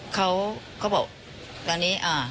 เขาเขาบอกตอนนี้อ่า